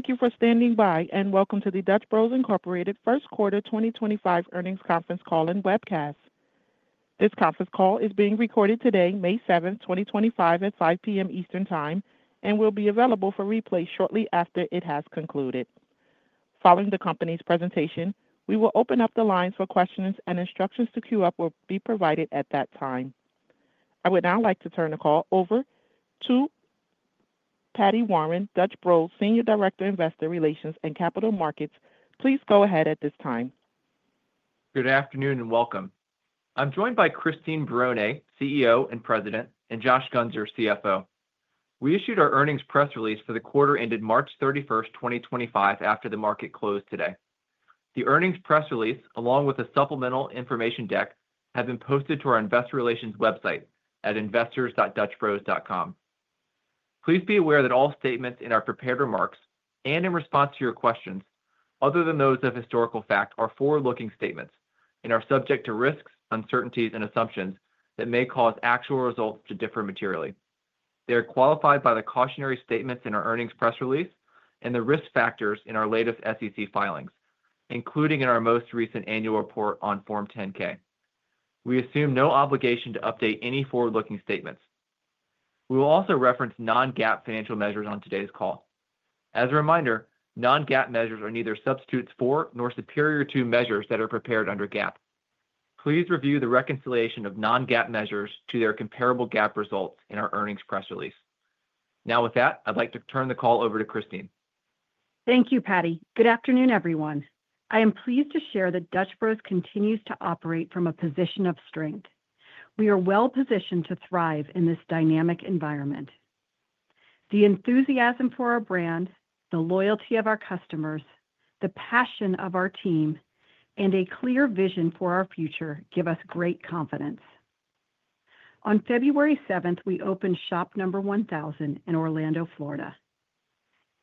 Thank you for standing by and welcome to the Dutch Bros Incorporated first quarter 2025 earnings conference call and webcast. This conference call is being recorded today, May 7, 2025, at 5:00 P.M. Eastern Time, and will be available for replay shortly after it has concluded. Following the company's presentation, we will open up the lines for questions, and instructions to queue up will be provided at that time. I would now like to turn the call over to Paddy Warren, Dutch Bros Senior Director, Investor Relations and Capital Markets. Please go ahead at this time. Good afternoon and welcome. I'm joined by Christine Barone, CEO and President, and Josh Guenser, CFO. We issued our earnings press release for the quarter ended March 31st, 2025, after the market closed today. The earnings press release, along with a supplemental information deck, have been posted to our investor relations website at investors.dutchbros.com. Please be aware that all statements in our prepared remarks and in response to your questions, other than those of historical fact, are forward-looking statements and are subject to risks, uncertainties, and assumptions that may cause actual results to differ materially. They are qualified by the cautionary statements in our earnings press release and the risk factors in our latest SEC filings, including in our most recent annual report on Form 10-K. We assume no obligation to update any forward-looking statements. We will also reference non-GAAP financial measures on today's call. As a reminder, non-GAAP measures are neither substitutes for nor superior to measures that are prepared under GAAP. Please review the reconciliation of non-GAAP measures to their comparable GAAP results in our earnings press release. Now, with that, I'd like to turn the call over to Christine. Thank you, Paddy. Good afternoon, everyone. I am pleased to share that Dutch Bros continues to operate from a position of strength. We are well positioned to thrive in this dynamic environment. The enthusiasm for our brand, the loyalty of our customers, the passion of our team, and a clear vision for our future give us great confidence. On February 7th, we opened shop number 1,000 in Orlando, Florida,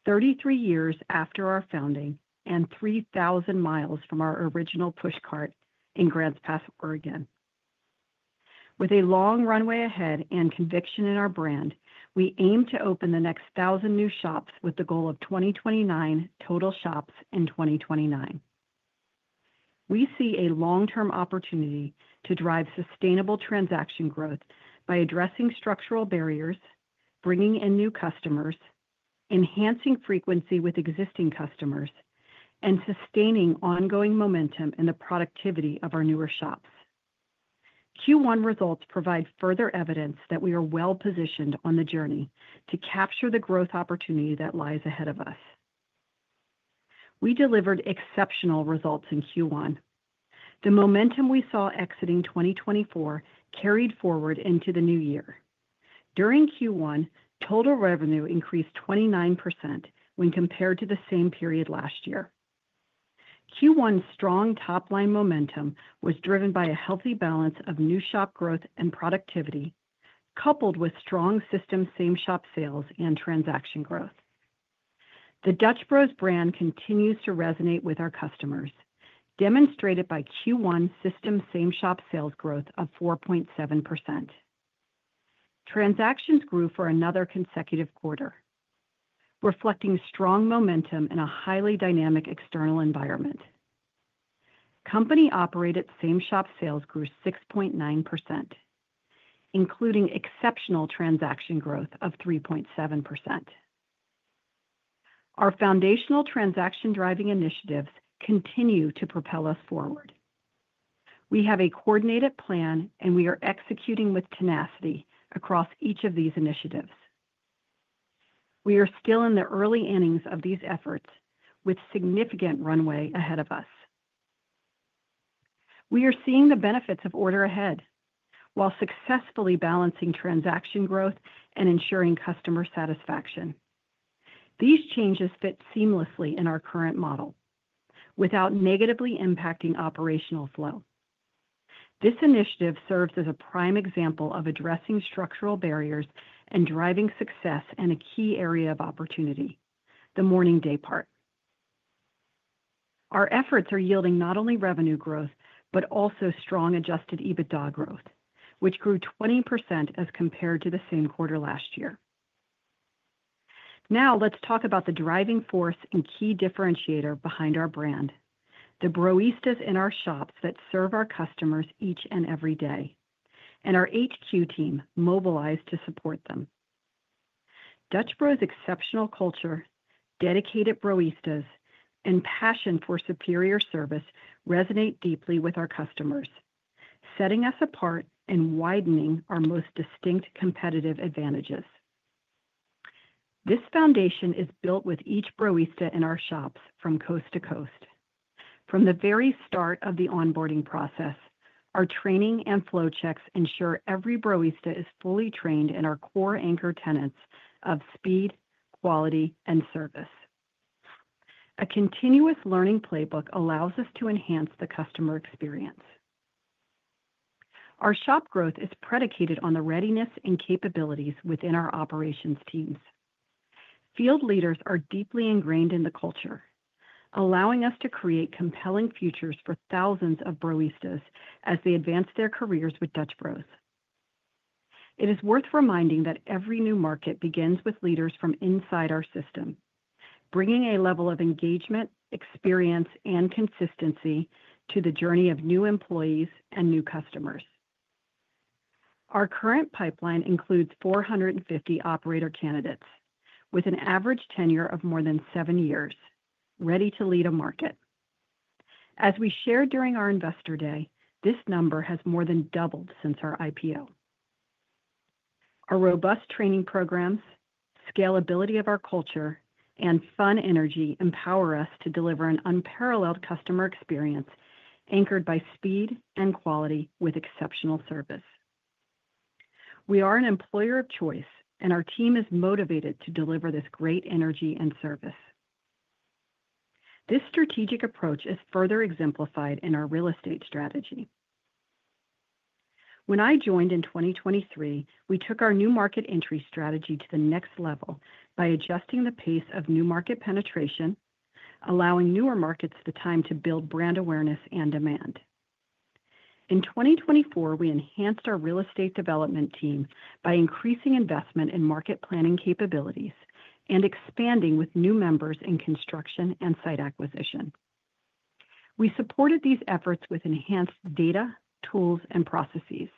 33 years after our founding and 3,000 miles from our original push cart in Grants Pass, Oregon. With a long runway ahead and conviction in our brand, we aim to open the next 1,000 new shops with the goal of 2,029 total shops in 2029. We see a long-term opportunity to drive sustainable transaction growth by addressing structural barriers, bringing in new customers, enhancing frequency with existing customers, and sustaining ongoing momentum in the productivity of our newer shops. Q1 results provide further evidence that we are well positioned on the journey to capture the growth opportunity that lies ahead of us. We delivered exceptional results in Q1. The momentum we saw exiting 2024 carried forward into the new year. During Q1, total revenue increased 29% when compared to the same period last year. Q1's strong top-line momentum was driven by a healthy balance of new shop growth and productivity, coupled with strong system same-shop sales and transaction growth. The Dutch Bros brand continues to resonate with our customers, demonstrated by Q1 system same-shop sales growth of 4.7%. Transactions grew for another consecutive quarter, reflecting strong momentum in a highly dynamic external environment. Company-operated same-shop sales grew 6.9%, including exceptional transaction growth of 3.7%. Our foundational transaction-driving initiatives continue to propel us forward. We have a coordinated plan, and we are executing with tenacity across each of these initiatives. We are still in the early innings of these efforts, with significant runway ahead of us. We are seeing the benefits of Order Ahead while successfully balancing transaction growth and ensuring customer satisfaction. These changes fit seamlessly in our current model without negatively impacting operational flow. This initiative serves as a prime example of addressing structural barriers and driving success in a key area of opportunity: the morning day part. Our efforts are yielding not only revenue growth but also strong adjusted EBITDA growth, which grew 20% as compared to the same quarter last year. Now, let's talk about the driving force and key differentiator behind our brand: the Broistas in our shops that serve our customers each and every day, and our HQ team mobilized to support them. Dutch Bros' exceptional culture, dedicated Broistas, and passion for superior service resonate deeply with our customers, setting us apart and widening our most distinct competitive advantages. This foundation is built with each Broista in our shops from coast to coast. From the very start of the onboarding process, our training and flow checks ensure every Broista is fully trained in our core anchor tenets of speed, quality, and service. A continuous learning playbook allows us to enhance the customer experience. Our shop growth is predicated on the readiness and capabilities within our operations teams. Field leaders are deeply ingrained in the culture, allowing us to create compelling futures for thousands of Broistas as they advance their careers with Dutch Bros. It is worth reminding that every new market begins with leaders from inside our system, bringing a level of engagement, experience, and consistency to the journey of new employees and new customers. Our current pipeline includes 450 operator candidates with an average tenure of more than seven years, ready to lead a market. As we shared during our Investor Day, this number has more than doubled since our IPO. Our robust training programs, scalability of our culture, and fun energy empower us to deliver an unparalleled customer experience anchored by speed and quality with exceptional service. We are an employer of choice, and our team is motivated to deliver this great energy and service. This strategic approach is further exemplified in our real estate strategy. When I joined in 2023, we took our new market entry strategy to the next level by adjusting the pace of new market penetration, allowing newer markets the time to build brand awareness and demand. In 2024, we enhanced our real estate development team by increasing investment in market planning capabilities and expanding with new members in construction and site acquisition. We supported these efforts with enhanced data, tools, and processes.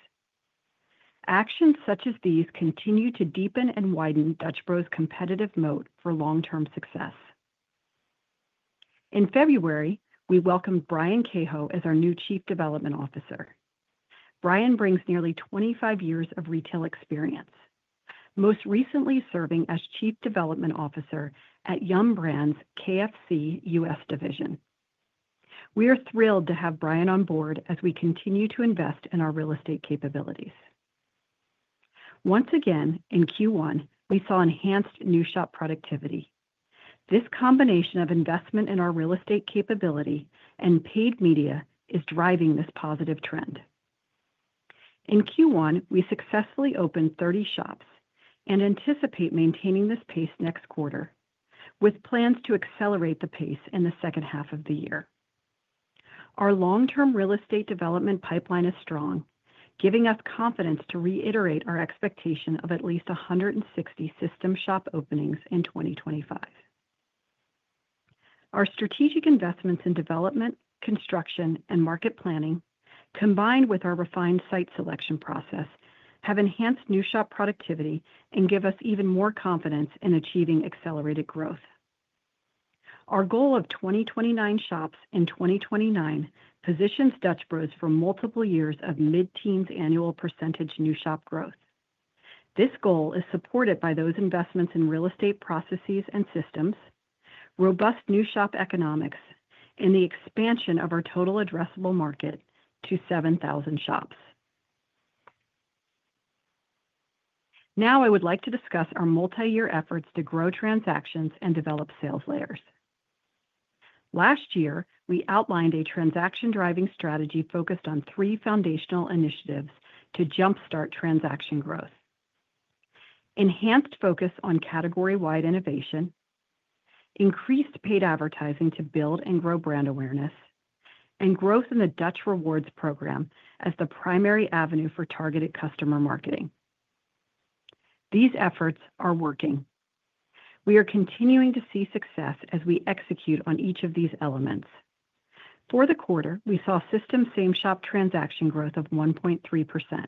Actions such as these continue to deepen and widen Dutch Bros' competitive moat for long-term success. In February, we welcomed Brian Cahoe as our new Chief Development Officer. Brian brings nearly 25 years of retail experience, most recently serving as Chief Development Officer at Yum! Brands' KFC U.S. division. We are thrilled to have Brian on board as we continue to invest in our real estate capabilities. Once again, in Q1, we saw enhanced new shop productivity. This combination of investment in our real estate capability and paid media is driving this positive trend. In Q1, we successfully opened 30 shops and anticipate maintaining this pace next quarter, with plans to accelerate the pace in the second half of the year. Our long-term real estate development pipeline is strong, giving us confidence to reiterate our expectation of at least 160 system shop openings in 2025. Our strategic investments in development, construction, and market planning, combined with our refined site selection process, have enhanced new shop productivity and give us even more confidence in achieving accelerated growth. Our goal of 2029 shops in 2029 positions Dutch Bros for multiple years of mid-teens annual % new shop growth. This goal is supported by those investments in real estate processes and systems, robust new shop economics, and the expansion of our total addressable market to 7,000 shops. Now, I would like to discuss our multi-year efforts to grow transactions and develop sales layers. Last year, we outlined a transaction-driving strategy focused on three foundational initiatives to jump-start transaction growth: enhanced focus on category-wide innovation, increased paid advertising to build and grow brand awareness, and growth in the Dutch Rewards program as the primary avenue for targeted customer marketing. These efforts are working. We are continuing to see success as we execute on each of these elements. For the quarter, we saw system same-shop transaction growth of 1.3%,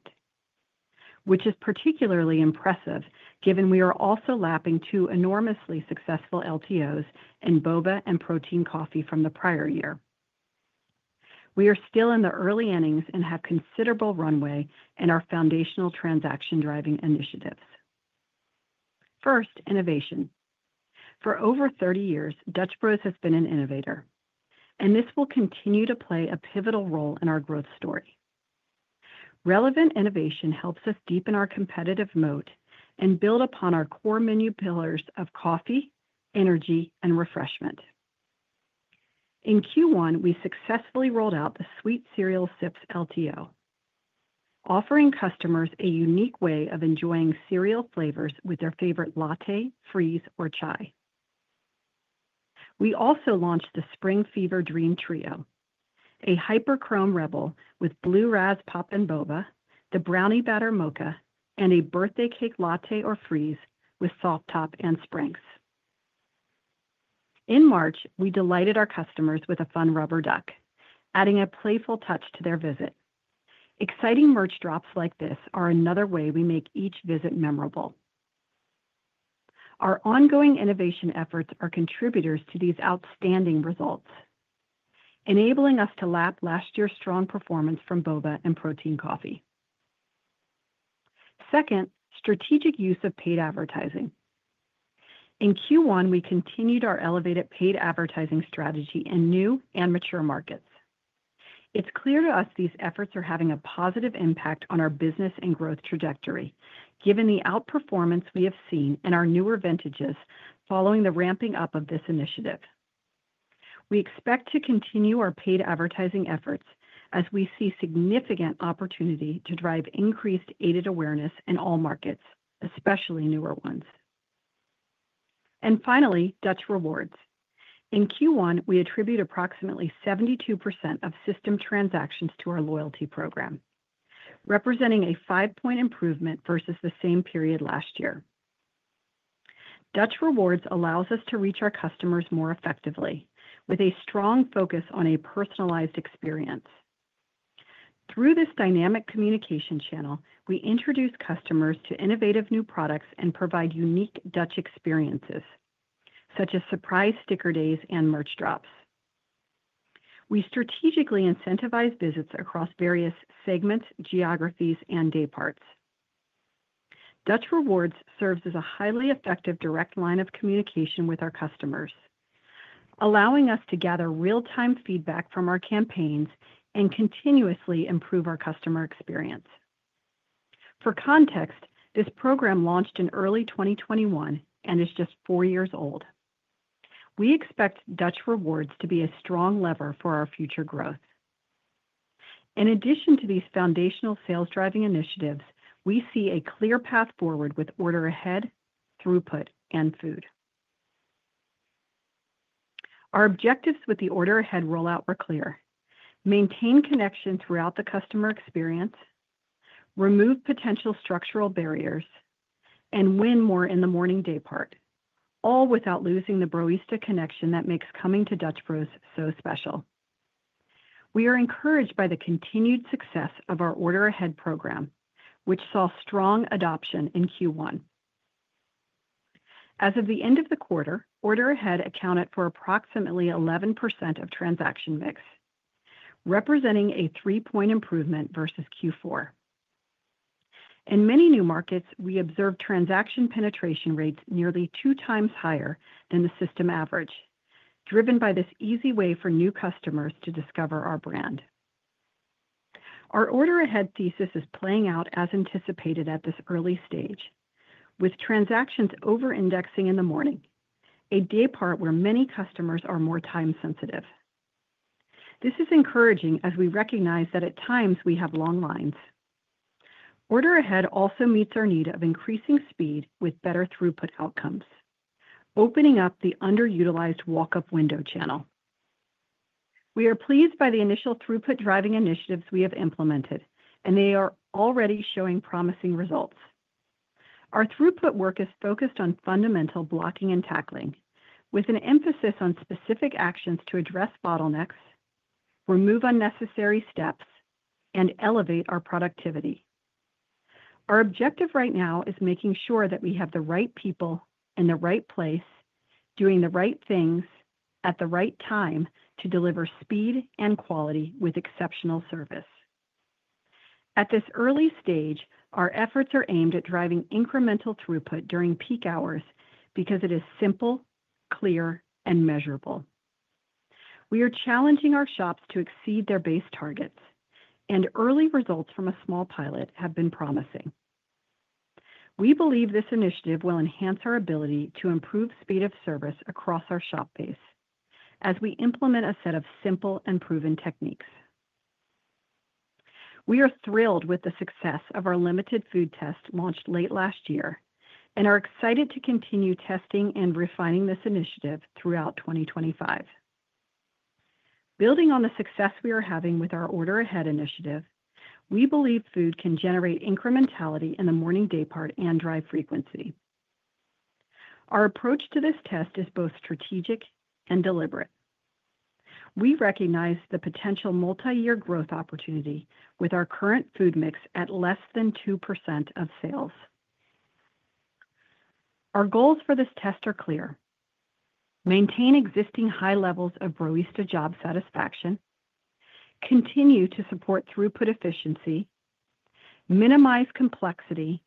which is particularly impressive given we are also lapping two enormously successful LTOs in boba and protein coffee from the prior year. We are still in the early innings and have considerable runway in our foundational transaction-driving initiatives. First, innovation. For over 30 years, Dutch Bros has been an innovator, and this will continue to play a pivotal role in our growth story. Relevant innovation helps us deepen our competitive moat and build upon our core menu pillars of coffee, energy, and refreshment. In Q1, we successfully rolled out the Sweet Cereal Sips LTO, offering customers a unique way of enjoying cereal flavors with their favorite latte, freeze, or chai. We also launched the Spring Fever Dream Trio, a Hyperchrome Rebel with Blue Razz Poppin' Boba, the Brownie Batter Mocha, and a Birthday Cake Latte or freeze with soft top and sprinks. In March, we delighted our customers with a fun rubber duck, adding a playful touch to their visit. Exciting merch drops like this are another way we make each visit memorable. Our ongoing innovation efforts are contributors to these outstanding results, enabling us to lap last year's strong performance from boba and protein coffee. Second, strategic use of paid advertising. In Q1, we continued our elevated paid advertising strategy in new and mature markets. It is clear to us these efforts are having a positive impact on our business and growth trajectory, given the outperformance we have seen in our newer vintages following the ramping up of this initiative. We expect to continue our paid advertising efforts as we see significant opportunity to drive increased aided awareness in all markets, especially newer ones. Finally, Dutch Rewards. In Q1, we attribute approximately 72% of system transactions to our loyalty program, representing a five-point improvement versus the same period last year. Dutch Rewards allows us to reach our customers more effectively with a strong focus on a personalized experience. Through this dynamic communication channel, we introduce customers to innovative new products and provide unique Dutch experiences, such as surprise sticker days and merch drops. We strategically incentivize visits across various segments, geographies, and day parts. Dutch Rewards serves as a highly effective direct line of communication with our customers, allowing us to gather real-time feedback from our campaigns and continuously improve our customer experience. For context, this program launched in early 2021 and is just four years old. We expect Dutch Rewards to be a strong lever for our future growth. In addition to these foundational sales-driving initiatives, we see a clear path forward with Order Ahead, throughput, and food. Our objectives with the Order Ahead rollout were clear: maintain connection throughout the customer experience, remove potential structural barriers, and win more in the morning day part, all without losing the Broista connection that makes coming to Dutch Bros so special. We are encouraged by the continued success of our Order Ahead program, which saw strong adoption in Q1. As of the end of the quarter, Order Ahead accounted for approximately 11% of transaction mix, representing a three-point improvement versus Q4. In many new markets, we observed transaction penetration rates nearly two times higher than the system average, driven by this easy way for new customers to discover our brand. Our Order Ahead thesis is playing out as anticipated at this early stage, with transactions over-indexing in the morning, a day part where many customers are more time-sensitive. This is encouraging as we recognize that at times we have long lines. Order Ahead also meets our need of increasing speed with better throughput outcomes, opening up the underutilized walk-up window channel. We are pleased by the initial throughput-driving initiatives we have implemented, and they are already showing promising results. Our throughput work is focused on fundamental blocking and tackling, with an emphasis on specific actions to address bottlenecks, remove unnecessary steps, and elevate our productivity. Our objective right now is making sure that we have the right people in the right place, doing the right things at the right time to deliver speed and quality with exceptional service. At this early stage, our efforts are aimed at driving incremental throughput during peak hours because it is simple, clear, and measurable. We are challenging our shops to exceed their base targets, and early results from a small pilot have been promising. We believe this initiative will enhance our ability to improve speed of service across our shop base as we implement a set of simple and proven techniques. We are thrilled with the success of our limited food test launched late last year and are excited to continue testing and refining this initiative throughout 2025. Building on the success we are having with our Order Ahead initiative, we believe food can generate incrementality in the morning day part and drive frequency. Our approach to this test is both strategic and deliberate. We recognize the potential multi-year growth opportunity with our current food mix at less than 2% of sales. Our goals for this test are clear: maintain existing high levels of Broista job satisfaction, continue to support throughput efficiency, minimize complexity,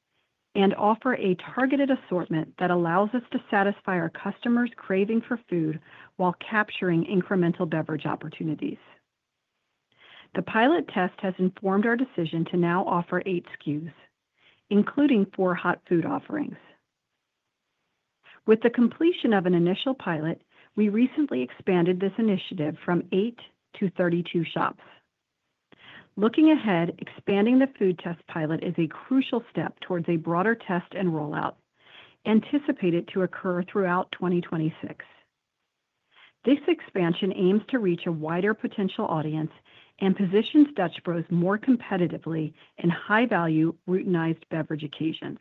and offer a targeted assortment that allows us to satisfy our customers' craving for food while capturing incremental beverage opportunities. The pilot test has informed our decision to now offer eight SKUs, including four hot food offerings. With the completion of an initial pilot, we recently expanded this initiative from eight to 32 shops. Looking ahead, expanding the food test pilot is a crucial step towards a broader test and rollout anticipated to occur throughout 2026. This expansion aims to reach a wider potential audience and positions Dutch Bros more competitively in high-value routinized beverage occasions.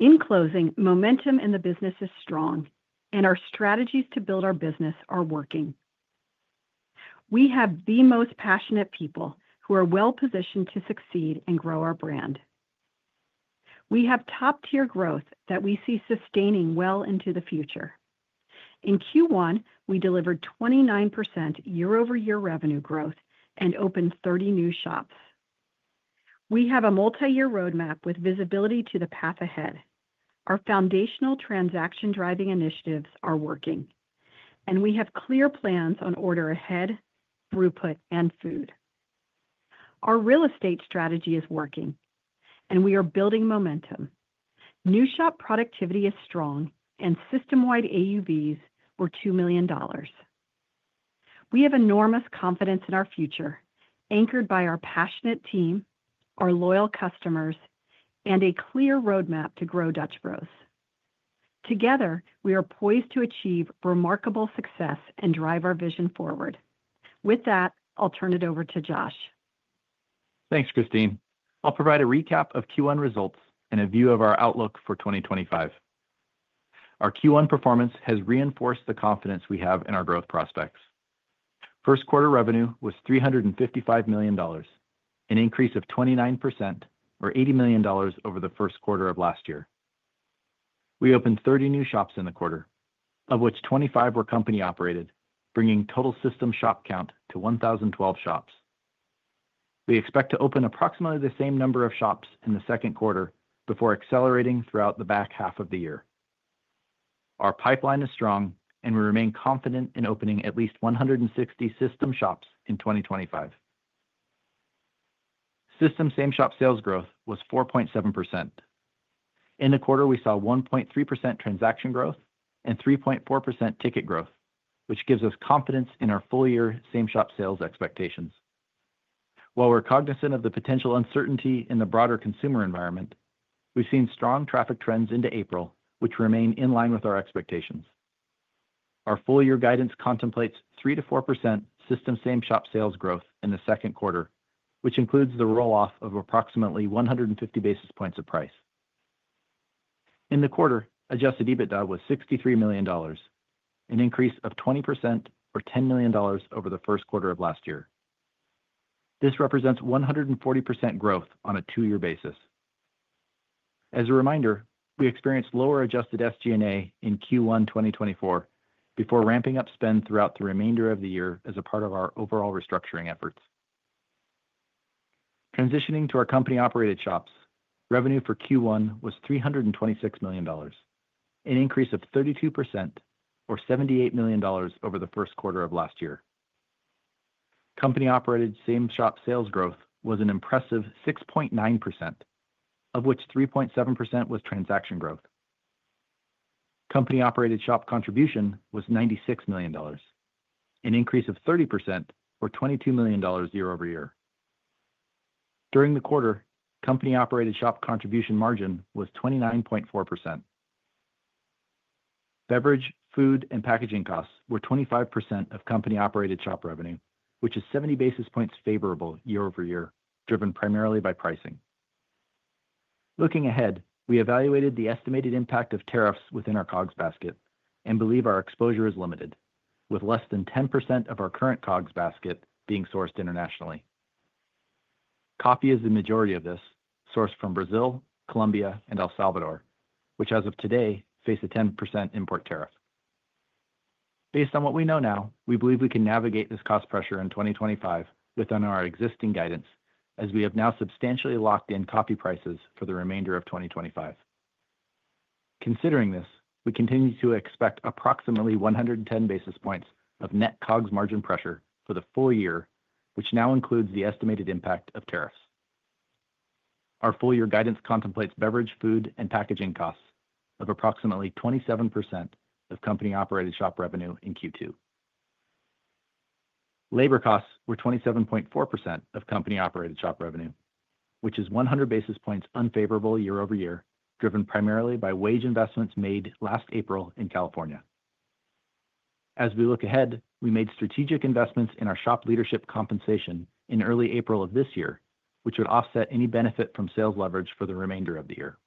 In closing, momentum in the business is strong, and our strategies to build our business are working. We have the most passionate people who are well-positioned to succeed and grow our brand. We have top-tier growth that we see sustaining well into the future. In Q1, we delivered 29% year-over-year revenue growth and opened 30 new shops. We have a multi-year roadmap with visibility to the path ahead. Our foundational transaction-driving initiatives are working, and we have clear plans on Order Ahead, throughput, and food. Our real estate strategy is working, and we are building momentum. New shop productivity is strong, and system-wide AUVs were $2 million. We have enormous confidence in our future, anchored by our passionate team, our loyal customers, and a clear roadmap to grow Dutch Bros. Together, we are poised to achieve remarkable success and drive our vision forward. With that, I'll turn it over to Josh. Thanks, Christine. I'll provide a recap of Q1 results and a view of our outlook for 2025. Our Q1 performance has reinforced the confidence we have in our growth prospects. First-quarter revenue was $355 million, an increase of 29%, or $80 million over the first quarter of last year. We opened 30 new shops in the quarter, of which 25 were company-operated, bringing total system shop count to 1,012 shops. We expect to open approximately the same number of shops in the second quarter before accelerating throughout the back half of the year. Our pipeline is strong, and we remain confident in opening at least 160 system shops in 2025. System same-shop sales growth was 4.7%. In the quarter, we saw 1.3% transaction growth and 3.4% ticket growth, which gives us confidence in our full-year same-shop sales expectations. While we're cognizant of the potential uncertainty in the broader consumer environment, we've seen strong traffic trends into April, which remain in line with our expectations. Our full-year guidance contemplates 3%-4% system same-shop sales growth in the second quarter, which includes the roll-off of approximately 150 basis points of price. In the quarter, adjusted EBITDA was $63 million, an increase of 20%, or $10 million over the first quarter of last year. This represents 140% growth on a two-year basis. As a reminder, we experienced lower adjusted SG&A in Q1 2024 before ramping up spend throughout the remainder of the year as a part of our overall restructuring efforts. Transitioning to our company-operated shops, revenue for Q1 was $326 million, an increase of 32%, or $78 million over the first quarter of last year. Company-operated same-shop sales growth was an impressive 6.9%, of which 3.7% was transaction growth. Company-operated shop contribution was $96 million, an increase of 30%, or $22 million year-over-year. During the quarter, company-operated shop contribution margin was 29.4%. Beverage, food, and packaging costs were 25% of company-operated shop revenue, which is 70 basis points favorable year-over-year, driven primarily by pricing. Looking ahead, we evaluated the estimated impact of tariffs within our COGS basket and believe our exposure is limited, with less than 10% of our current COGS basket being sourced internationally. Coffee is the majority of this, sourced from Brazil, Colombia, and El Salvador, which as of today face a 10% import tariff. Based on what we know now, we believe we can navigate this cost pressure in 2025 within our existing guidance, as we have now substantially locked in coffee prices for the remainder of 2025. Considering this, we continue to expect approximately 110 basis points of net COGS margin pressure for the full year, which now includes the estimated impact of tariffs. Our full-year guidance contemplates beverage, food, and packaging costs of approximately 27% of company-operated shop revenue in Q2. Labor costs were 27.4% of company-operated shop revenue, which is 100 basis points unfavorable year-over-year, driven primarily by wage investments made last April in California. As we look ahead, we made strategic investments in our shop leadership compensation in early April of this year, which would offset any benefit from sales leverage for the remainder of the year.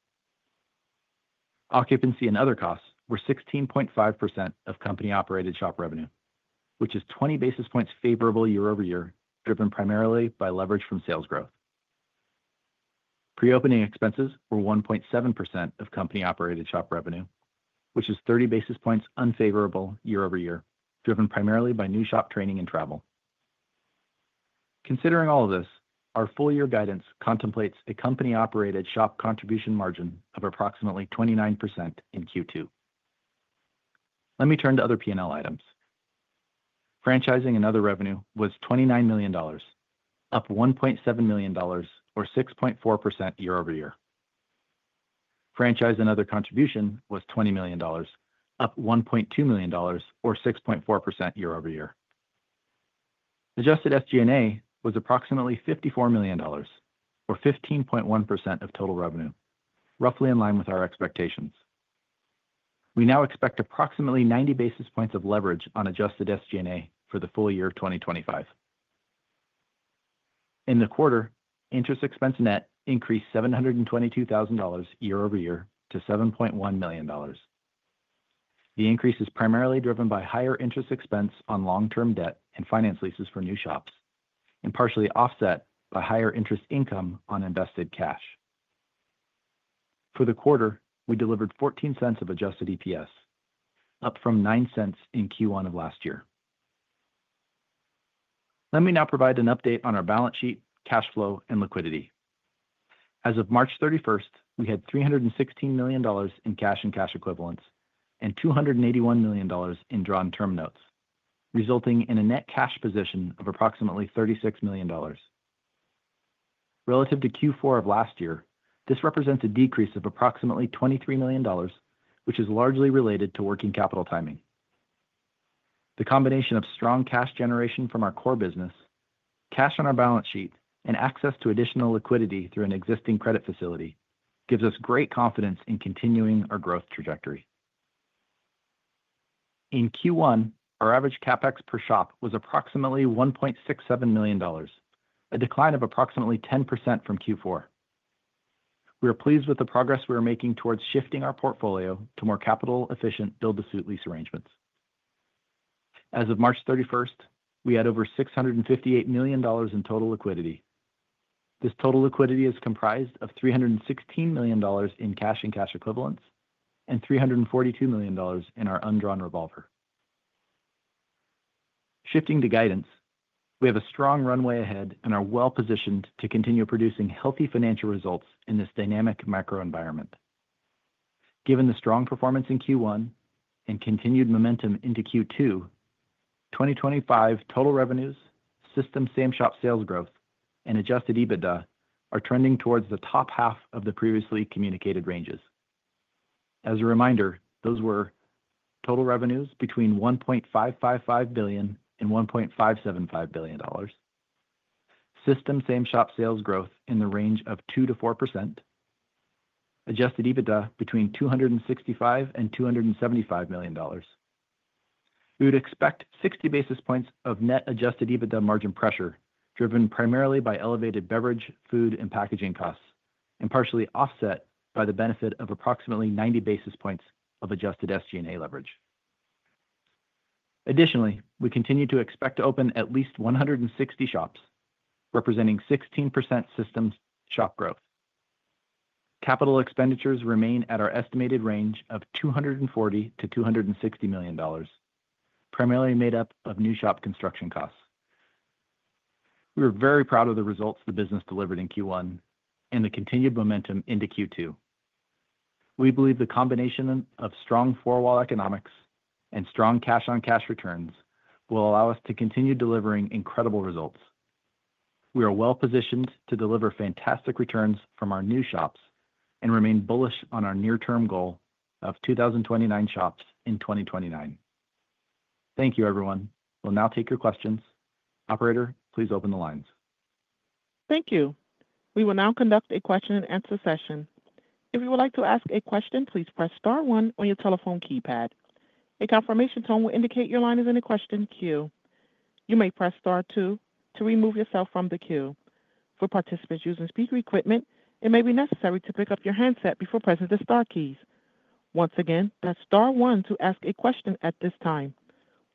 Occupancy and other costs were 16.5% of company-operated shop revenue, which is 20 basis points favorable year-over-year, driven primarily by leverage from sales growth. Pre-opening expenses were 1.7% of company-operated shop revenue, which is 30 basis points unfavorable year-over-year, driven primarily by new shop training and travel. Considering all of this, our full-year guidance contemplates a company-operated shop contribution margin of approximately 29% in Q2. Let me turn to other P&L items. Franchising and other revenue was $29 million, up $1.7 million, or 6.4% year-over-year. Franchise and other contribution was $20 million, up $1.2 million, or 6.4% year-over-year. Adjusted SG&A was approximately $54 million, or 15.1% of total revenue, roughly in line with our expectations. We now expect approximately 90 basis points of leverage on adjusted SG&A for the full year of 2025. In the quarter, interest expense net increased $722,000 year-over-year to $7.1 million. The increase is primarily driven by higher interest expense on long-term debt and finance leases for new shops, and partially offset by higher interest income on invested cash. For the quarter, we delivered $0.14 of adjusted EPS, up from $0.09 in Q1 of last year. Let me now provide an update on our balance sheet, cash flow, and liquidity. As of March 31, we had $316 million in cash and cash equivalents and $281 million in drawn term notes, resulting in a net cash position of approximately $36 million. Relative to Q4 of last year, this represents a decrease of approximately $23 million, which is largely related to working capital timing. The combination of strong cash generation from our core business, cash on our balance sheet, and access to additional liquidity through an existing credit facility gives us great confidence in continuing our growth trajectory. In Q1, our average CapEx per shop was approximately $1.67 million, a decline of approximately 10% from Q4. We are pleased with the progress we are making towards shifting our portfolio to more capital-efficient build-to-suit lease arrangements. As of March 31st, we had over $658 million in total liquidity. This total liquidity is comprised of $316 million in cash and cash equivalents and $342 million in our undrawn revolver. Shifting to guidance, we have a strong runway ahead and are well-positioned to continue producing healthy financial results in this dynamic microenvironment. Given the strong performance in Q1 and continued momentum into Q2, 2025 total revenues, system same-shop sales growth, and adjusted EBITDA are trending towards the top half of the previously communicated ranges. As a reminder, those were total revenues between $1.555 billion and $1.575 billion, system same-shop sales growth in the range of 2%-4%, adjusted EBITDA between $265 and $275 million. We would expect 60 basis points of net adjusted EBITDA margin pressure, driven primarily by elevated beverage, food, and packaging costs, and partially offset by the benefit of approximately 90 basis points of adjusted SG&A leverage. Additionally, we continue to expect to open at least 160 shops, representing 16% system shop growth. Capital expenditures remain at our estimated range of $240 million-$260 million, primarily made up of new shop construction costs. We are very proud of the results the business delivered in Q1 and the continued momentum into Q2. We believe the combination of strong four-wall economics and strong cash-on-cash returns will allow us to continue delivering incredible results. We are well-positioned to deliver fantastic returns from our new shops and remain bullish on our near-term goal of 2029 shops in 2029. Thank you, everyone. We'll now take your questions. Operator, please open the lines. Thank you. We will now conduct a Q&A session. If you would like to ask a question, please press star one on your telephone keypad. A confirmation tone will indicate your line is in a question queue. You may press star two to remove yourself from the queue. For participants using speaker equipment, it may be necessary to pick up your handset before pressing the star keys. Once again, press star one to ask a question at this time.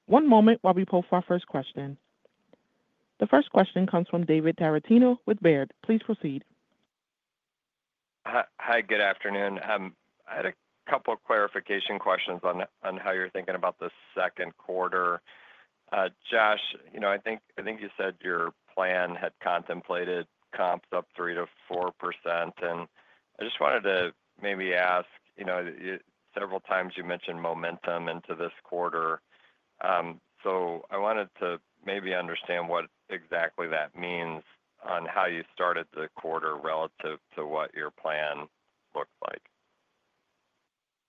One moment while we pull for our first question. The first question comes from David Tarantino with Baird. Please proceed. Hi, good afternoon. I had a couple of clarification questions on how you're thinking about the second quarter. Josh, I think you said your plan had contemplated comps up 3%-4%, and I just wanted to maybe ask, several times you mentioned momentum into this quarter. I wanted to maybe understand what exactly that means on how you started the quarter relative to what your plan looked like.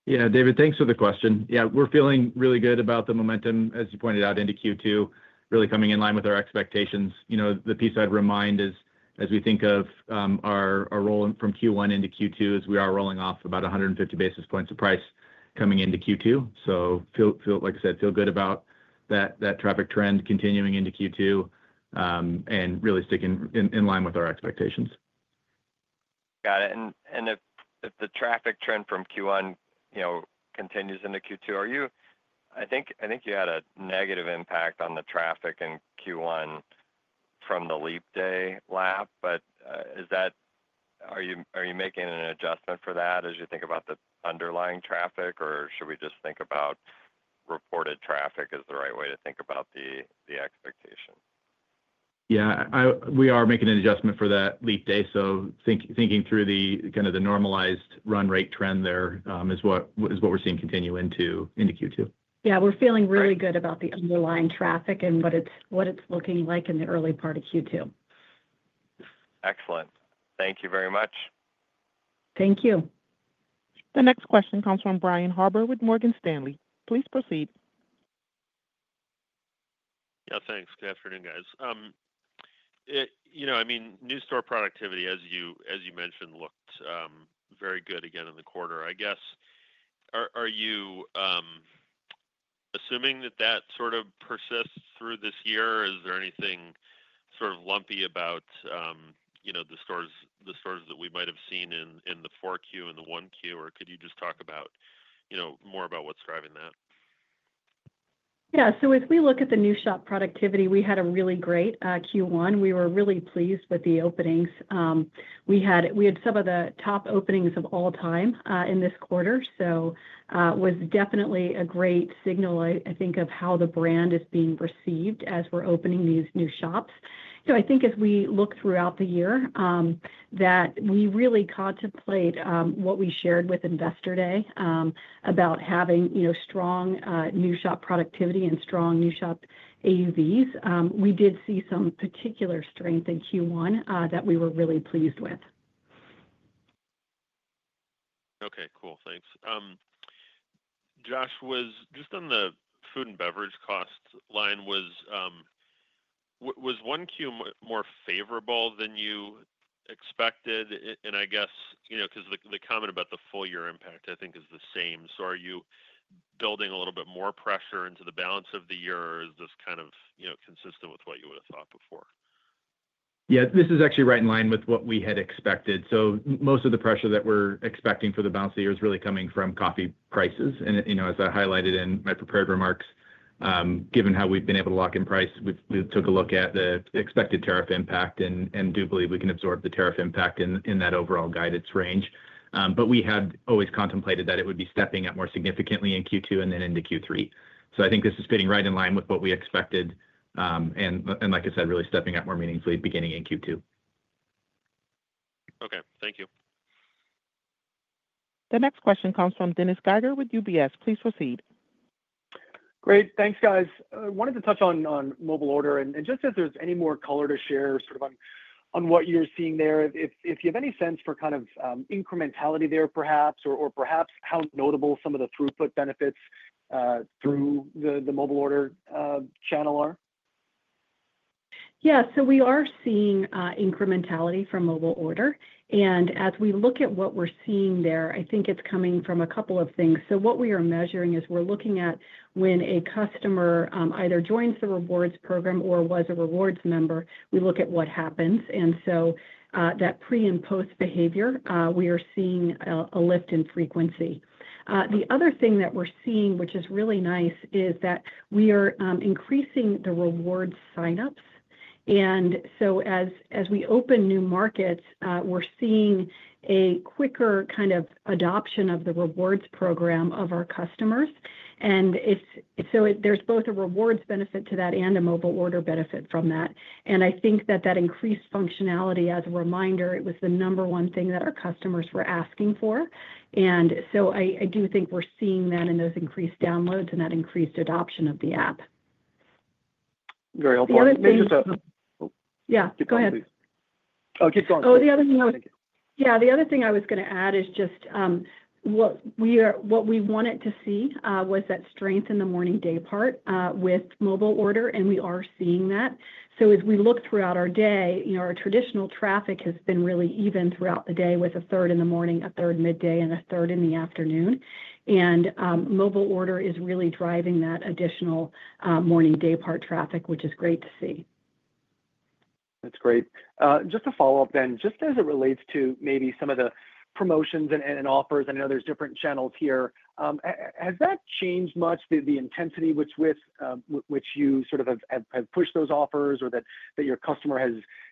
Yeah, David, thanks for the question. Yeah, we're feeling really good about the momentum, as you pointed out, into Q2, really coming in line with our expectations. The piece I'd remind is, as we think of our roll from Q1 into Q2, as we are rolling off about 150 basis points of price coming into Q2. Like I said, feel good about that traffic trend continuing into Q2 and really sticking in line with our expectations. Got it. If the traffic trend from Q1 continues into Q2, I think you had a negative impact on the traffic in Q1 from the leap day lap, but are you making an adjustment for that as you think about the underlying traffic, or should we just think about reported traffic as the right way to think about the expectation? Yeah, we are making an adjustment for that leap day. Thinking through the kind of normalized run rate trend there is what we're seeing continue into Q2. Yeah, we're feeling really good about the underlying traffic and what it's looking like in the early part of Q2. Excellent. Thank you very much. Thank you. The next question comes from Brian Harbour with Morgan Stanley. Please proceed. Yeah, thanks. Good afternoon, guys. I mean, new store productivity, as you mentioned, looked very good again in the quarter. I guess, are you assuming that that sort of persists through this year? Is there anything sort of lumpy about the stores that we might have seen in the 4Q and the 1Q, or could you just talk more about what's driving that? Yeah. If we look at the new shop productivity, we had a really great Q1. We were really pleased with the openings. We had some of the top openings of all time in this quarter, so it was definitely a great signal, I think, of how the brand is being received as we're opening these new shops. I think as we look throughout the year that we really contemplate what we shared with Investor Day about having strong new shop productivity and strong new shop AUVs. We did see some particular strength in Q1 that we were really pleased with. Okay, cool. Thanks. Josh, just on the food and beverage cost line, was Q1 more favorable than you expected? I guess because the comment about the full year impact, I think, is the same. Are you building a little bit more pressure into the balance of the year? Is this kind of consistent with what you would have thought before? Yeah, this is actually right in line with what we had expected. Most of the pressure that we're expecting for the balance of the year is really coming from coffee prices. As I highlighted in my prepared remarks, given how we've been able to lock in price, we took a look at the expected tariff impact and do believe we can absorb the tariff impact in that overall guidance range. We had always contemplated that it would be stepping up more significantly in Q2 and then into Q3. I think this is fitting right in line with what we expected. Like I said, really stepping up more meaningfully beginning in Q2. Okay, thank you. The next question comes from Dennis Geiger with UBS. Please proceed. Great. Thanks, guys. I wanted to touch on mobile order. If there's any more color to share sort of on what you're seeing there, if you have any sense for kind of incrementality there, perhaps, or perhaps how notable some of the throughput benefits through the mobile order channel are? Yeah. We are seeing incrementality from mobile order. As we look at what we're seeing there, I think it's coming from a couple of things. What we are measuring is we're looking at when a customer either joins the rewards program or was a rewards member, we look at what happens. That pre and post behavior, we are seeing a lift in frequency. The other thing that we're seeing, which is really nice, is that we are increasing the rewards signups. As we open new markets, we're seeing a quicker kind of adoption of the rewards program of our customers. There is both a rewards benefit to that and a mobile order benefit from that. I think that increased functionality, as a reminder, was the number one thing that our customers were asking for. I do think we are seeing that in those increased downloads and that increased adoption of the app. Very helpful. Maybe just. Yeah, go ahead, please. Oh, keep going. The other thing I was going to add is just what we wanted to see was that strength in the morning day part with mobile order, and we are seeing that. As we look throughout our day, our traditional traffic has been really even throughout the day with a third in the morning, a third midday, and a third in the afternoon. Mobile order is really driving that additional morning day part traffic, which is great to see. That's great. Just to follow up then, just as it relates to maybe some of the promotions and offers, I know there's different channels here. Has that changed much, the intensity with which you sort of have pushed those offers or that your customer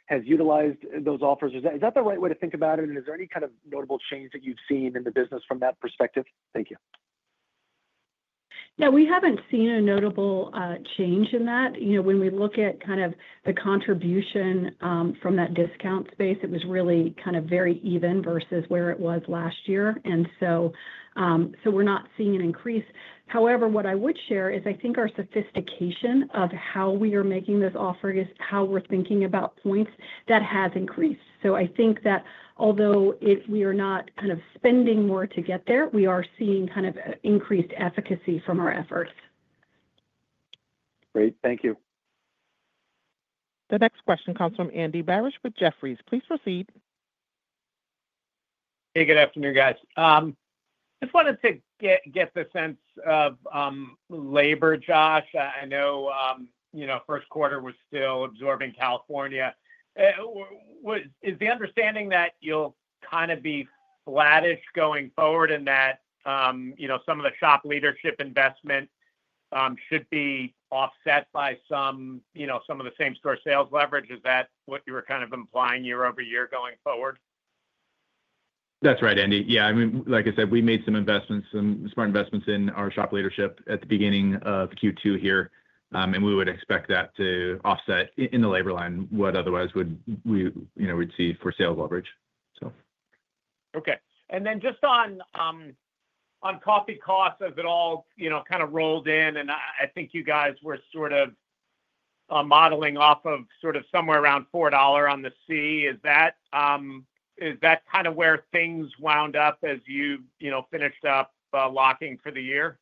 has utilized those offers? Is that the right way to think about it? Is there any kind of notable change that you've seen in the business from that perspective? Thank you. Yeah, we haven't seen a notable change in that. When we look at kind of the contribution from that discount space, it was really kind of very even versus where it was last year. We're not seeing an increase. However, what I would share is I think our sophistication of how we are making this offer is how we're thinking about points that has increased. So I think that although we are not kind of spending more to get there, we are seeing kind of increased efficacy from our efforts. Great. Thank you. The next question comes from Andy Barish with Jefferies. Please proceed. Hey, good afternoon, guys. Just wanted to get the sense of labor, Josh. I know first quarter was still absorbing California. Is the understanding that you'll kind of be flattish going forward in that some of the shop leadership investment should be offset by some of the same-shop sales leverage? Is that what you were kind of implying year- over-year going forward? That's right, Andy. Yeah. I mean, like I said, we made some investments, some smart investments in our shop leadership at the beginning of Q2 here, and we would expect that to offset in the labor line what otherwise we'd see for sales leverage. Okay. And then just on coffee costs, has it all kind of rolled in? I think you guys were sort of modeling off of sort of somewhere around $4 on the C. Is that kind of where things wound up as you finished up locking for the year?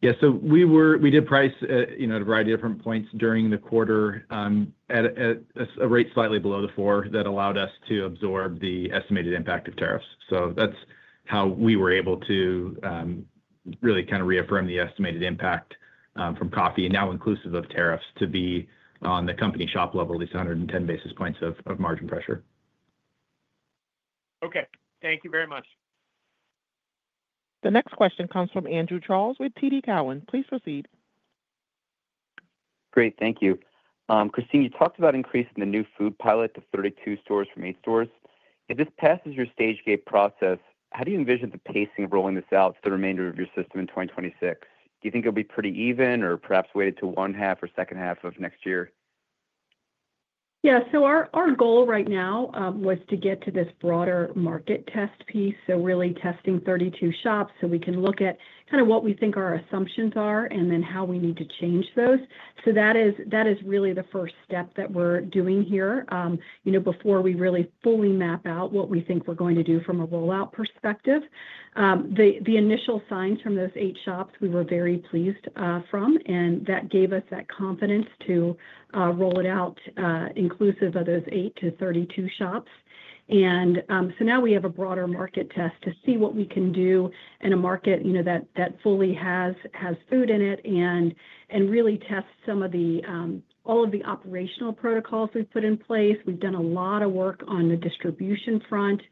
Yeah. We did price at a variety of different points during the quarter at a rate slightly below the $4 that allowed us to absorb the estimated impact of tariffs. That's how we were able to really kind of reaffirm the estimated impact from coffee, now inclusive of tariffs, to be on the company shop level, at least 110 basis points of margin pressure. Okay. Thank you very much. The next question comes from Andrew Charles with TD Cowen. Please proceed. Great. Thank you. Christine, you talked about increasing the new food pilot to 32 stores from 8 stores. If this passes your stage gate process, how do you envision the pacing of rolling this out to the remainder of your system in 2026? Do you think it'll be pretty even or perhaps weighted to one half or second half of next year? Yeah. Our goal right now was to get to this broader market test piece, so really testing 32 shops so we can look at kind of what we think our assumptions are and then how we need to change those. That is really the first step that we're doing here before we really fully map out what we think we're going to do from a rollout perspective. The initial signs from those eight shops we were very pleased from, and that gave us that confidence to roll it out inclusive of those 8 to 32 shops. Now we have a broader market test to see what we can do in a market that fully has food in it and really tests some of all of the operational protocols we've put in place. We've done a lot of work on the distribution front.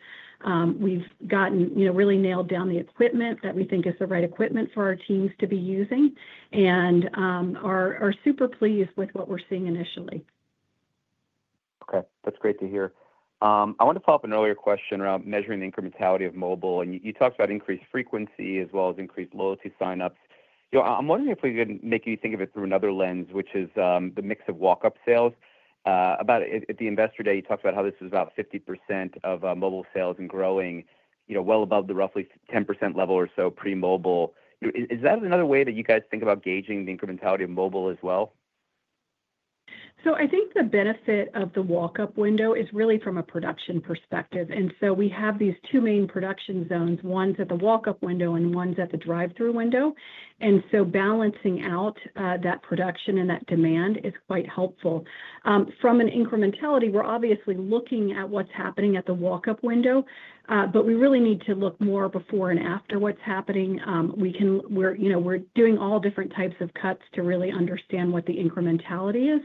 We've really nailed down the equipment that we think is the right equipment for our teams to be using. We're super pleased with what we're seeing initially. Okay. That's great to hear. I want to follow up an earlier question around measuring the incrementality of mobile. You talked about increased frequency as well as increased loyalty signups. I'm wondering if we can make you think of it through another lens, which is the mix of walk-up sales. At the Investor Day, you talked about how this was about 50% of mobile sales and growing well above the roughly 10% level or so pre-mobile. Is that another way that you guys think about gauging the incrementality of mobile as well? I think the benefit of the walk-up window is really from a production perspective. We have these two main production zones, one at the walk-up window and one at the drive-thru window. Balancing out that production and that demand is quite helpful. From an incrementality standpoint, we're obviously looking at what's happening at the walk-up window, but we really need to look more before and after what's happening. We're doing all different types of cuts to really understand what the incrementality is.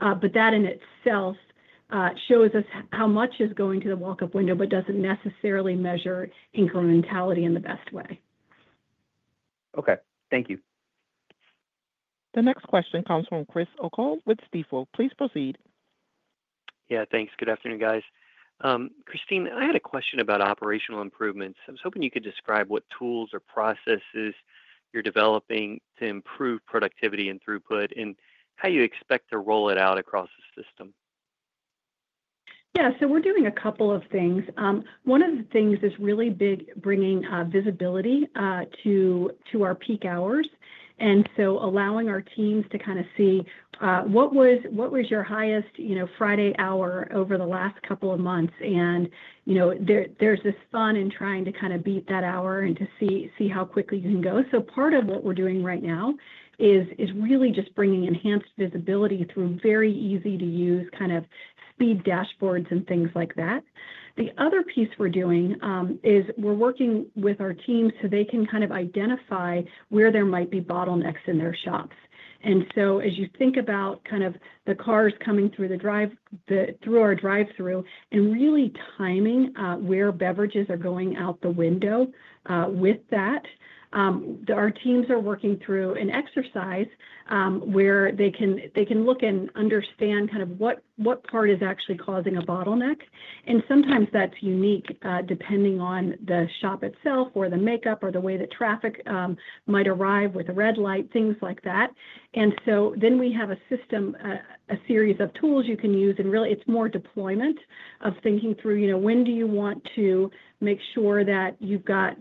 That in itself shows us how much is going to the walk-up window, but doesn't necessarily measure incrementality in the best way. Okay. Thank you. The next question comes from Chris O'Cull with Stifel. Please proceed. Yeah. Thanks. Good afternoon, guys. Christine, I had a question about operational improvements. I was hoping you could describe what tools or processes you're developing to improve productivity and throughput and how you expect to roll it out across the system. Yeah. We're doing a couple of things. One of the things that's really big is bringing visibility to our peak hours. Allowing our teams to kind of see what was your highest Friday hour over the last couple of months. There's this fun in trying to kind of beat that hour and to see how quickly you can go. Part of what we're doing right now is really just bringing enhanced visibility through very easy-to-use kind of speed dashboards and things like that. The other piece we're doing is we're working with our teams so they can kind of identify where there might be bottlenecks in their shops. As you think about kind of the cars coming through our drive-thru and really timing where beverages are going out the window with that, our teams are working through an exercise where they can look and understand kind of what part is actually causing a bottleneck. Sometimes that's unique depending on the shop itself or the makeup or the way that traffic might arrive with a red light, things like that. We have a system, a series of tools you can use. Really, it's more deployment of thinking through when do you want to make sure that you've got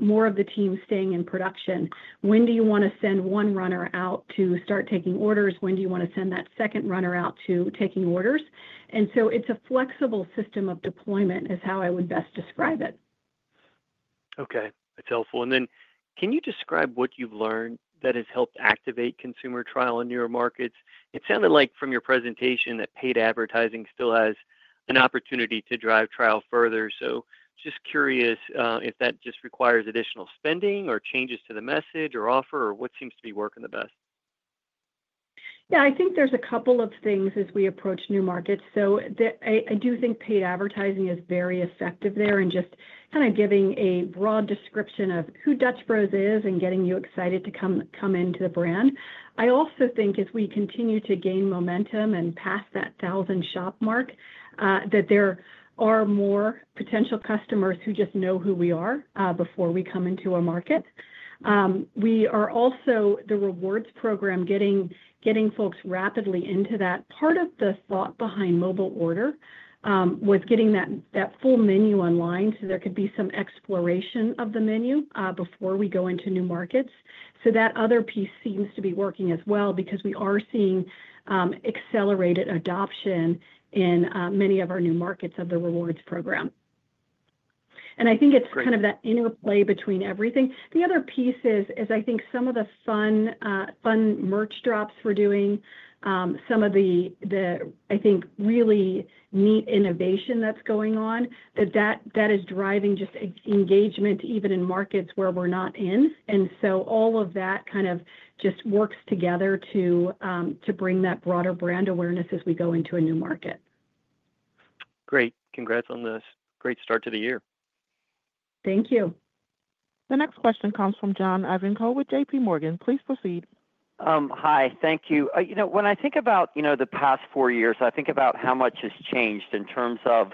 more of the team staying in production? When do you want to send one runner out to start taking orders? When do you want to send that second runner out to taking orders? It is a flexible system of deployment is how I would best describe it. Okay. That is helpful. Can you describe what you have learned that has helped activate consumer trial in your markets? It sounded like from your presentation that paid advertising still has an opportunity to drive trial further. I am just curious if that just requires additional spending or changes to the message or offer or what seems to be working the best. Yeah. I think there are a couple of things as we approach new markets. I do think paid advertising is very effective there in just kind of giving a broad description of who Dutch Bros is and getting you excited to come into the brand. I also think as we continue to gain momentum and pass that 1,000 shop mark, that there are more potential customers who just know who we are before we come into our market. We are also the rewards program getting folks rapidly into that. Part of the thought behind mobile order was getting that full menu online so there could be some exploration of the menu before we go into new markets. That other piece seems to be working as well because we are seeing accelerated adoption in many of our new markets of the rewards program. I think it's kind of that interplay between everything. The other piece is I think some of the fun merch drops we're doing, some of the, I think, really neat innovation that's going on, that is driving just engagement even in markets where we're not in. All of that kind of just works together to bring that broader brand awareness as we go into a new market. Great. Congrats on this. Great start to the year. Thank you. The next question comes from John Ivankoe with JPMorgan. Please proceed. Hi. Thank you. When I think about the past four years, I think about how much has changed in terms of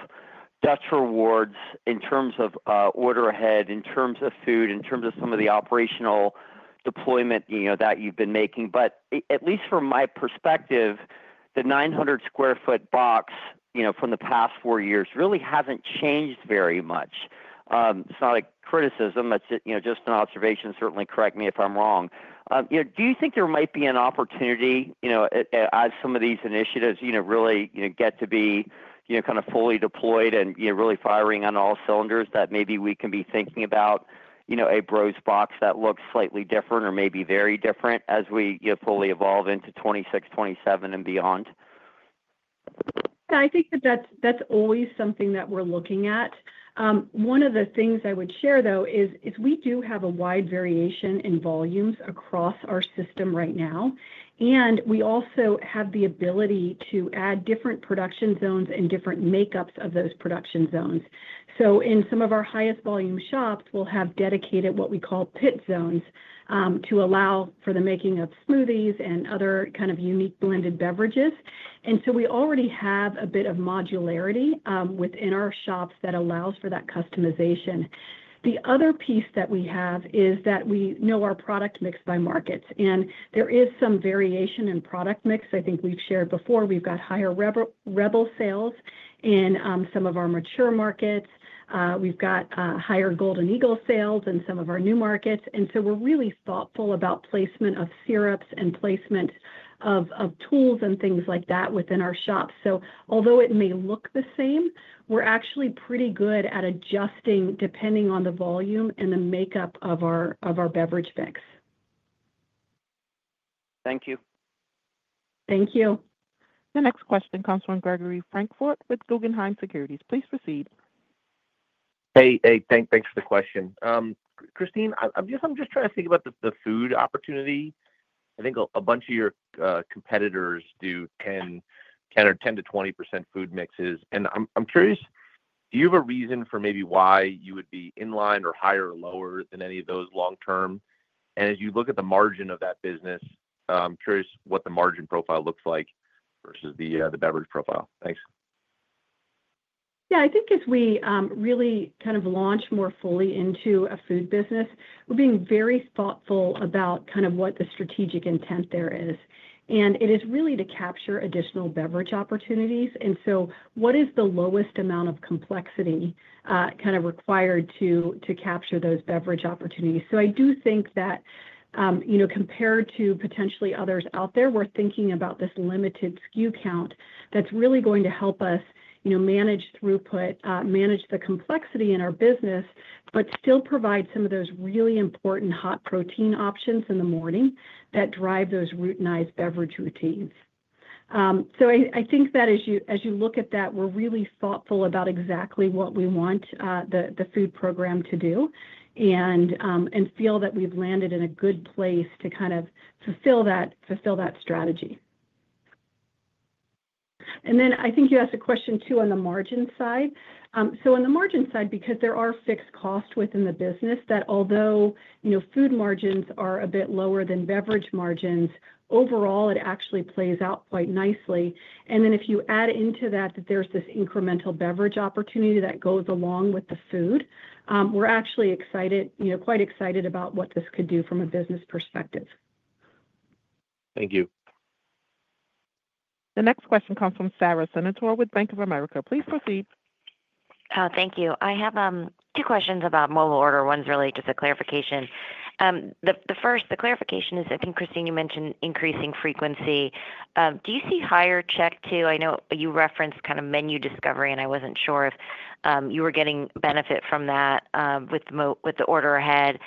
Dutch Rewards, in terms of Order Ahead, in terms of food, in terms of some of the operational deployment that you've been making. At least from my perspective, the 900 sq ft box from the past four years really has not changed very much. It is not a criticism. It is just an observation. Certainly correct me if I am wrong. Do you think there might be an opportunity as some of these initiatives really get to be kind of fully deployed and really firing on all cylinders that maybe we can be thinking about a Bros box that looks slightly different or maybe very different as we fully evolve into 2026, 2027, and beyond? Yeah. I think that that's always something that we're looking at. One of the things I would share, though, is we do have a wide variation in volumes across our system right now. We also have the ability to add different production zones and different makeups of those production zones. In some of our highest volume shops, we'll have dedicated what we call pit zones to allow for the making of smoothies and other kind of unique blended beverages. We already have a bit of modularity within our shops that allows for that customization. The other piece that we have is that we know our product mix by markets. There is some variation in product mix. I think we've shared before. We've got higher Rebel sales in some of our mature markets. We've got higher Golden Eagle sales in some of our new markets. We are really thoughtful about placement of syrups and placement of tools and things like that within our shops. Although it may look the same, we're actually pretty good at adjusting depending on the volume and the makeup of our beverage mix. Thank you. Thank you. The next question comes from Gregory Francfort with Guggenheim Securities. Please proceed. Hey. Thanks for the question. Christine, I'm just trying to think about the food opportunity. I think a bunch of your competitors do 10% or 10%-20% food mixes. I'm curious, do you have a reason for maybe why you would be in line or higher or lower than any of those long-term? As you look at the margin of that business, I'm curious what the margin profile looks like versus the beverage profile. Thanks. Yeah. I think as we really kind of launch more fully into a food business, we're being very thoughtful about kind of what the strategic intent there is. It is really to capture additional beverage opportunities. What is the lowest amount of complexity kind of required to capture those beverage opportunities? I do think that compared to potentially others out there, we're thinking about this limited SKU count that's really going to help us manage throughput, manage the complexity in our business, but still provide some of those really important hot protein options in the morning that drive those routinized beverage routines. I think that as you look at that, we're really thoughtful about exactly what we want the food program to do and feel that we've landed in a good place to kind of fulfill that strategy. I think you asked a question too on the margin side. On the margin side, because there are fixed costs within the business that although food margins are a bit lower than beverage margins, overall, it actually plays out quite nicely. If you add into that that there's this incremental beverage opportunity that goes along with the food, we're actually quite excited about what this could do from a business perspective. Thank you. The next question comes from Sara Senatore with Bank of America. Please proceed. Thank you. I have two questions about mobile order. One's really just a clarification. The first, the clarification is, I think, Christine, you mentioned increasing frequency. Do you see higher check too? I know you referenced kind of menu discovery, and I wasn't sure if you were getting benefit from that with the Order Ahead.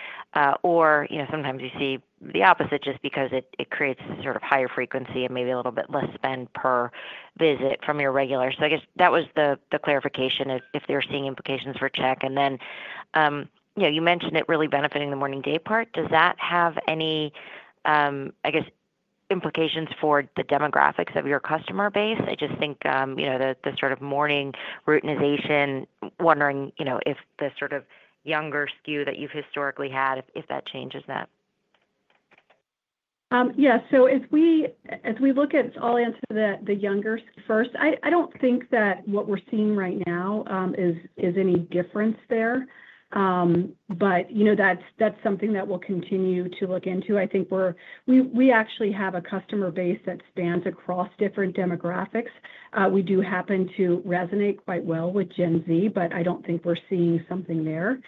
Or sometimes you see the opposite just because it creates sort of higher frequency and maybe a little bit less spend per visit from your regular. I guess that was the clarification if they're seeing implications for check. You mentioned it really benefiting the morning-day part. Does that have any, I guess, implications for the demographics of your customer base? I just think the sort of morning routinization, wondering if the sort of younger SKU that you've historically had, if that changes that. Yeah. As we look at all, I'll answer to the younger first. I don't think that what we're seeing right now is any difference there. That's something that we'll continue to look into. I think we actually have a customer base that spans across different demographics. We do happen to resonate quite well with Gen Z, but I don't think we're seeing something there.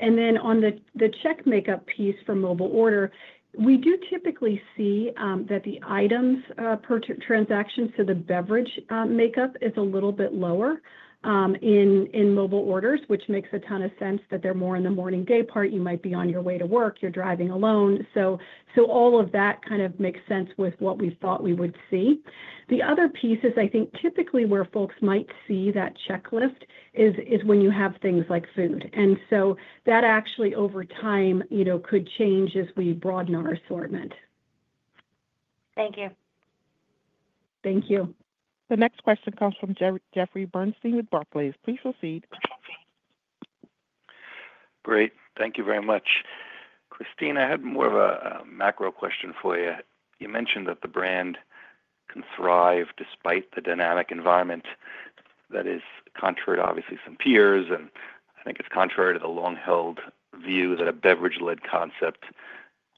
On the check makeup piece for mobile order, we do typically see that the items per transaction. The beverage makeup is a little bit lower in mobile orders, which makes a ton of sense that they're more in the morning-day part. You might be on your way to work. You're driving alone. All of that kind of makes sense with what we thought we would see. The other piece is, I think, typically where folks might see that checklist is when you have things like food. That actually, over time, could change as we broaden our assortment. Thank you. Thank you. The next question comes from Jeffrey Bernstein with Barclays. Please proceed. Great. Thank you very much. Christine, I had more of a macro question for you. You mentioned that the brand can thrive despite the dynamic environment that is contrary, obviously, some peers. I think it's contrary to the long-held view that a beverage-led concept,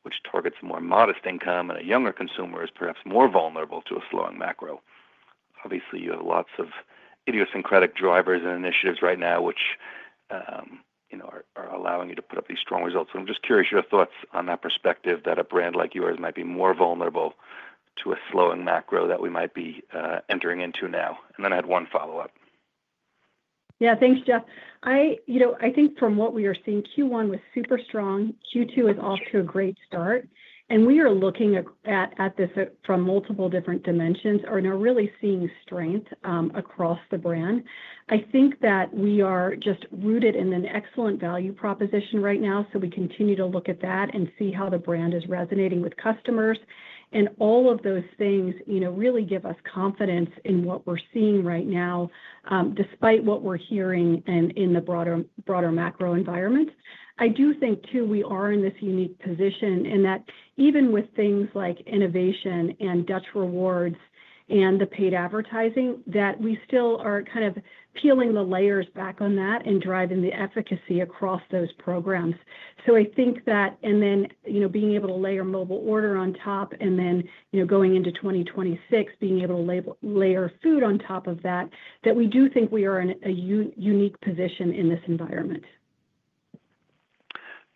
which targets more modest income and a younger consumer, is perhaps more vulnerable to a slowing macro. Obviously, you have lots of idiosyncratic drivers and initiatives right now, which are allowing you to put up these strong results. I'm just curious your thoughts on that perspective that a brand like yours might be more vulnerable to a slowing macro that we might be entering into now. I had one follow-up. Yeah. Thanks, Jeff. I think from what we are seeing, Q1 was super strong. Q2 is off to a great start. We are looking at this from multiple different dimensions and are really seeing strength across the brand. I think that we are just rooted in an excellent value proposition right now. We continue to look at that and see how the brand is resonating with customers. All of those things really give us confidence in what we're seeing right now, despite what we're hearing in the broader macro environment. I do think, too, we are in this unique position in that even with things like innovation and Dutch Rewards and the paid advertising, we still are kind of peeling the layers back on that and driving the efficacy across those programs. I think that, and then being able to layer mobile order on top, and then going into 2026, being able to layer food on top of that, we do think we are in a unique position in this environment.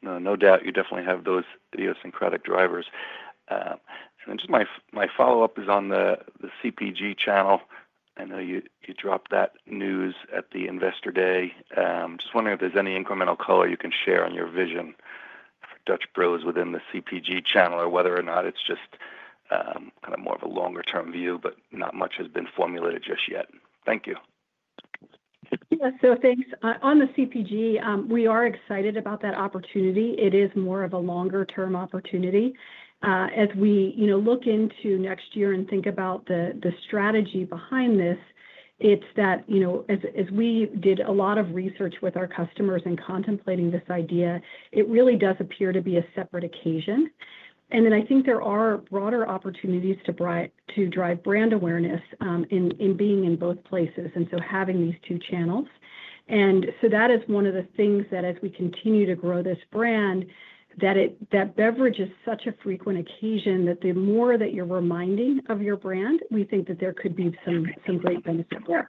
No doubt. You definitely have those idiosyncratic drivers. My follow-up is on the CPG channel. I know you dropped that news at the Investor Day. Just wondering if there's any incremental color you can share on your vision for Dutch Bros within the CPG channel or whether or not it's just kind of more of a longer-term view, but not much has been formulated just yet. Thank you. Yeah. Thanks. On the CPG, we are excited about that opportunity. It is more of a longer-term opportunity. As we look into next year and think about the strategy behind this, it's that as we did a lot of research with our customers and contemplating this idea, it really does appear to be a separate occasion. I think there are broader opportunities to drive brand awareness in being in both places and having these two channels. That is one of the things that as we continue to grow this brand, that beverage is such a frequent occasion that the more that you're reminding of your brand, we think that there could be some great benefit there.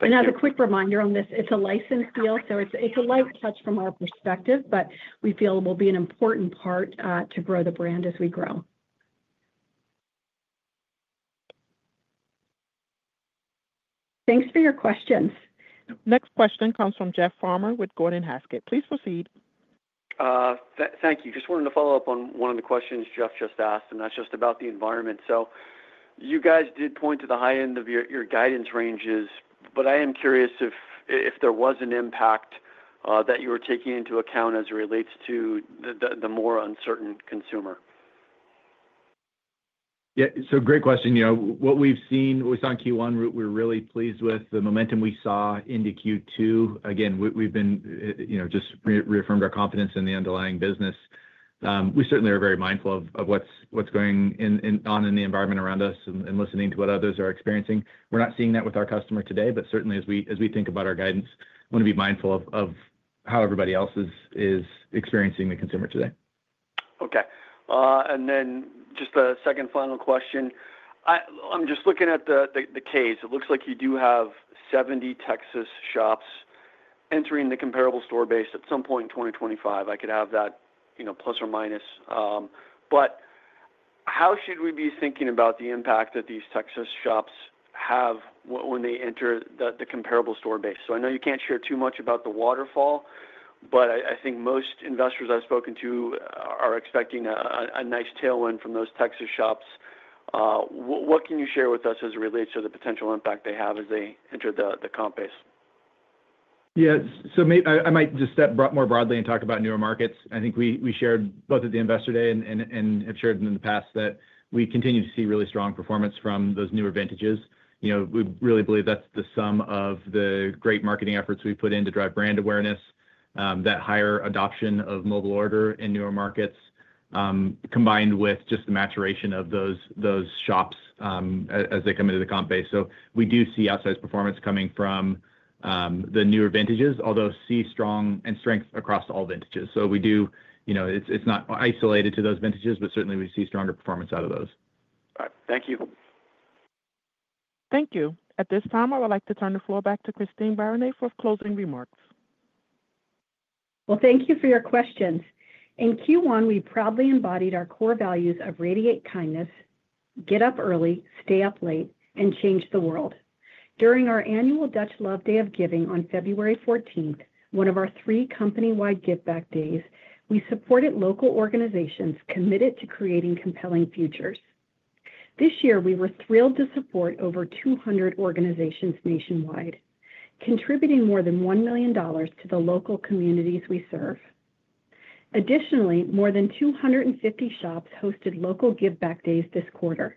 As a quick reminder on this, it's a licensed deal. It's a light touch from our perspective, but we feel it will be an important part to grow the brand as we grow. Thanks for your questions. Next question comes from Jeff Farmer with Gordon Haskett. Please proceed. Thank you. Just wanted to follow up on one of the questions Jeff just asked, and that's just about the environment. You guys did point to the high end of your guidance ranges, but I am curious if there was an impact that you were taking into account as it relates to the more uncertain consumer. Yeah. Great question. What we've seen, what we saw in Q1, we're really pleased with the momentum we saw into Q2. Again, we've just reaffirmed our confidence in the underlying business. We certainly are very mindful of what's going on in the environment around us and listening to what others are experiencing. We're not seeing that with our customer today, but certainly as we think about our guidance, we want to be mindful of how everybody else is experiencing the consumer today. Okay. And then just the second final question. I'm just looking at the case. It looks like you do have 70 Texas shops entering the comparable store base at some point in 2025. I could have that plus or minus. But how should we be thinking about the impact that these Texas shops have when they enter the comparable store base? I know you can't share too much about the waterfall, but I think most investors I've spoken to are expecting a nice tailwind from those Texas shops. What can you share with us as it relates to the potential impact they have as they enter the comp base? Yeah. I might just step more broadly and talk about newer markets. I think we shared both at the Investor Day and have shared in the past that we continue to see really strong performance from those newer advantages. We really believe that's the sum of the great marketing efforts we've put in to drive brand awareness, that higher adoption of mobile order in newer markets, combined with just the maturation of those shops as they come into the comp base. We do see outsized performance coming from the newer advantages, although see strong and strength across all vintages. We do, it's not isolated to those vintages, but certainly we see stronger performance out of those. All right. Thank you. Thank you. At this time, I would like to turn the floor back to Christine Barone for closing remarks. Thank you for your questions. In Q1, we proudly embodied our core values of radiate kindness, get up early, stay up late, and change the world. During our annual Dutch Love Day of Giving on February 14th, one of our three company-wide give-back days, we supported local organizations committed to creating compelling futures. This year, we were thrilled to support over 200 organizations nationwide, contributing more than $1 million to the local communities we serve. Additionally, more than 250 shops hosted local give-back days this quarter,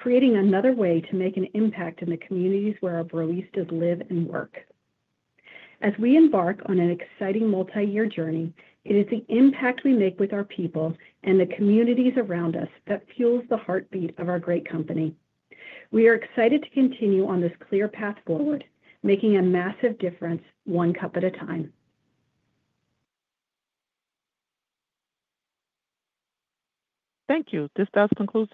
creating another way to make an impact in the communities where our baristas live and work. As we embark on an exciting multi-year journey, it is the impact we make with our people and the communities around us that fuels the heartbeat of our great company. We are excited to continue on this clear path forward, making a massive difference one cup at a time. Thank you. This does conclude.